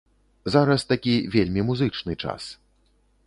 Зараз такі вельмі музычны час.